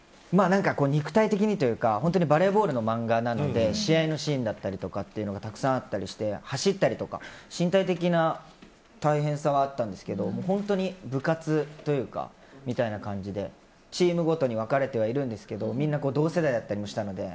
肉体的にというかバレーボールの漫画なので試合のシーンだったりというのがたくさんあったりして走ったりとか身体的な大変さはあったんですけど本当に部活みたいな感じでチームごとに分かれてはいるんですけどみんな同世代だったりもしたので。